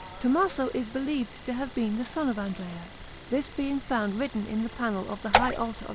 Tommaso is believed to have been the son of Andrea, this being found written in the panel of the high altar of S.